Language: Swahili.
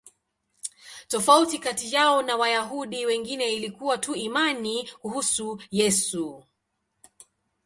Tofauti kati yao na Wayahudi wengine ilikuwa tu imani kuhusu Yesu.